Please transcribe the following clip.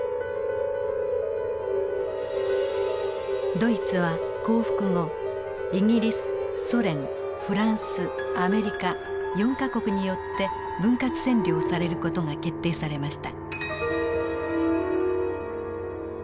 ドイツは降伏後イギリスソ連フランスアメリカ４か国によって分割占領される事が決定されました。